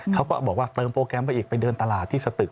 เขาก็บอกว่าเติมโปรแกรมไปอีกไปเดินตลาดที่สตึก